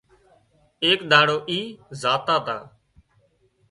ايڪ ڏاڙو اي زاتا تا